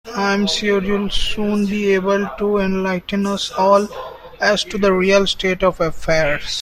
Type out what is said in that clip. I'm sure you'll soon be able to enlighten us all as to the real state of affairs.